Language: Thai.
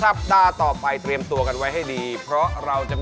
มันไม่ใช่รถตุ๊กตุ๊กมันรถประหาสนุก